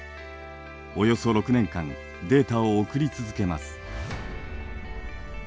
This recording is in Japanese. およそ６年間データを送り続けます。